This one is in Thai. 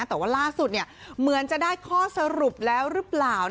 แต่ว่าล่าสุดเหมือนจะได้ข้อสรุปแล้วหรือเปล่า